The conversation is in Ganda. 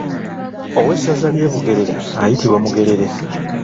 Owessaza ly’e Bugerere ayitibwa Mugerere.